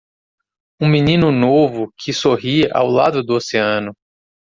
Um menino novo que sorri ao lado do oceano.